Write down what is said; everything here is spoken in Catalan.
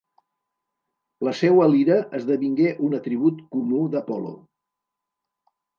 La seua lira esdevingué un atribut comú d'Apol·lo.